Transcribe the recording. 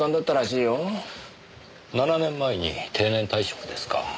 ７年前に定年退職ですか。